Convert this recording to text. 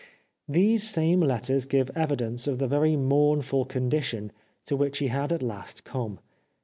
These same letters give evidence of the very mournful condition to which he had at last come.